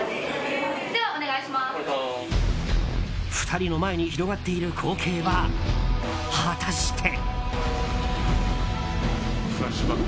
２人の前に広がっている光景は果たして。